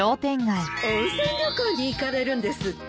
温泉旅行に行かれるんですって？